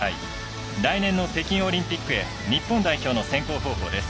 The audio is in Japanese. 来年の北京オリンピックへ日本代表の選考方法です。